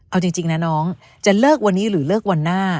เอาจริงนะน้องจะเลิกวันนี้หรือเลิกวันหน้า